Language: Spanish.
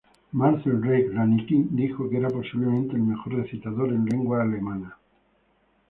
Marcel Reich-Ranicki dijo que era posiblemente el mejor recitador en lengua alemana.